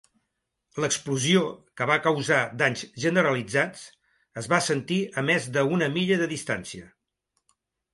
L'explosió, que va causar danys generalitzats, es va sentir a més d'una milla de distància.